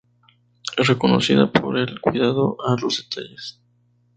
Es reconocida por el cuidado a los detalles.